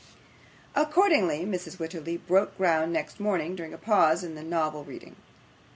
Accordingly Mrs. Wititterly broke ground next morning, during a pause in the novel reading.